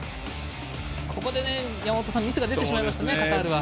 ここで山本さんミスが出てしまいましたねカタールは。